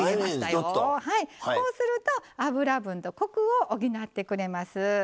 こうすると脂分とコクを補ってくれます。